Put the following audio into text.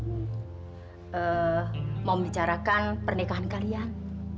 mau membicarakan pernikahan kalian